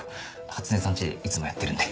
初音さん家でいつもやってるんで。